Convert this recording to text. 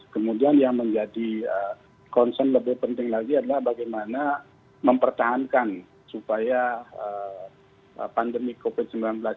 kemudian yang menjadi concern lebih penting lagi adalah bagaimana mempertahankan supaya pandemi covid sembilan belas